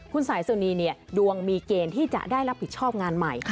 คุณสายสุนีเนี่ยดวงมีเกณฑ์ที่จะได้รับผิดชอบงานใหม่